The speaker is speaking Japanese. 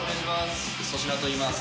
粗品といいます。